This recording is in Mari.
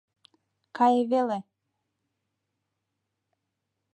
Кае веле.